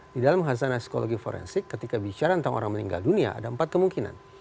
di dalam hasanah psikologi forensik ketika bicara tentang orang meninggal dunia ada empat kemungkinan